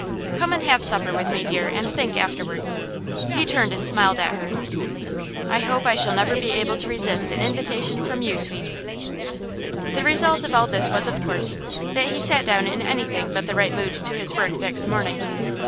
'Come and have supper with me, dear, and think afterwards.' He turned and smiled at her. 'I hope I shall never be able to resist an invitation from you, sweet.' The result of all this was, of course, that he sat down in anything but the right mood to his work next morning.